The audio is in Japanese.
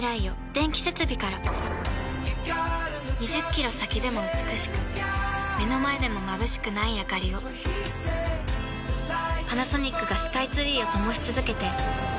２０キロ先でも美しく目の前でもまぶしくないあかりをパナソニックがスカイツリーを灯し続けて今年で１０年